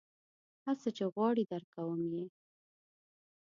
هر څه چې غواړې درکوم یې.